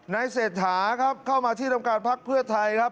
เศรษฐาครับเข้ามาที่ทำการพักเพื่อไทยครับ